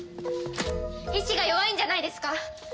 意志が弱いんじゃないですか？